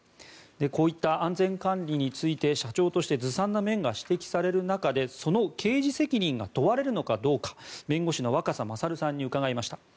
こういった安全管理について社長として、ずさんな面が指摘される中で、その刑事責任が問われるのかどうか弁護士の若狭勝さんに伺いました。